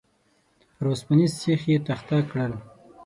پر اوسپنيز سيخ يې تخته کړل.